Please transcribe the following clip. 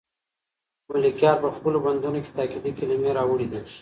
ملکیار په خپلو بندونو کې تاکېدي کلمې راوړي دي.